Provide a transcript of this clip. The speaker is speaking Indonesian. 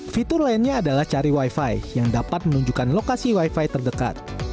fitur lainnya adalah cari wi fi yang dapat menunjukkan lokasi wi fi terdekat